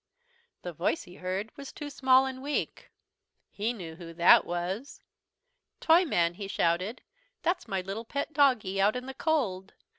The voice he heard was too small and weak. He knew who that was. "Toyman," he shouted, "that's my little pet doggie, out in the cold.